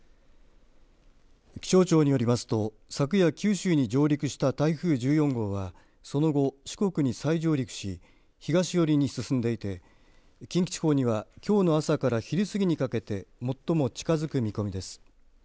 気象庁によりますと昨夜、九州に上陸した台風１４号はその後、四国に再上陸し東寄りに進んでいて近畿地方にはきょうの朝から昼過ぎにかけて最も近づく見込みです。